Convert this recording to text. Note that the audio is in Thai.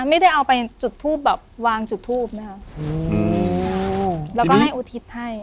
ไม่ได้เอาไปจุดทูปแบบวางจุดทูบนะคะแล้วก็ให้อุทิศให้